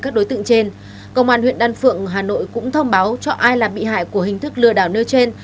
công an huyện đăn phượng hà nội cũng thông báo cho ai là bị hại của hình thức lừa đảo nơi trên